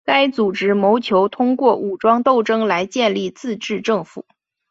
该组织谋求通过武装斗争来建立自治政府。